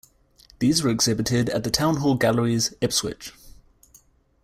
These were exhibited at the Town Hall Galleries, Ipswich.